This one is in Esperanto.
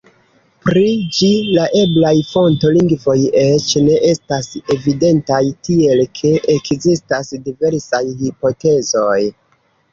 Pri ĝi la eblaj fonto-lingvoj eĉ ne estas evidentaj, tiel ke ekzistas diversaj hipotezoj.